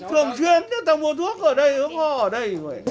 thường xuyên tao mua thuốc ở đây hứa ho ở đây